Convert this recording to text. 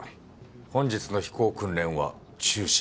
本日の飛行訓練は中止だ。